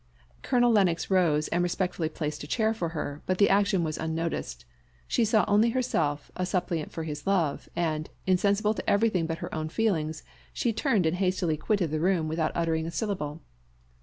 Colonel Lennox rose and respectfully placed a chair for her, but the action was unnoticed she saw only herself a suppliant for his love; and, insensible to everything but her own feelings, she turned and hastily quitted the room without uttering a syllable.